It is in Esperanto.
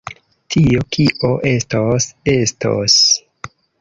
Tio, kio estos, estos.